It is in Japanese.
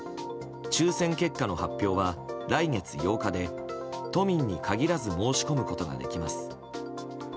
抽選結果の発表は来月８日で、都民に限らず申し込むことができます。